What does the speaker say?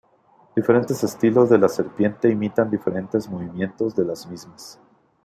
Diferentes estilos de la serpiente imitan diferentes movimientos de las mismas.